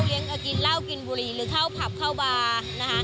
เลี้ยงกินเหล้ากินบุหรี่หรือข้าวผับข้าวบาร์